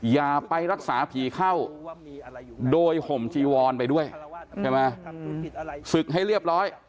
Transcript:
อย่าไปรักษาผีเข้าโดยห่มจีวอนไปด้วยใช่ไหมศึกให้เรียบร้อย